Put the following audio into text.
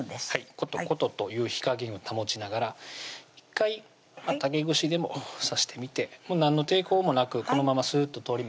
ことことという火加減を保ちながら１回竹串でも刺してみて何の抵抗もなくこのままスーッと通ります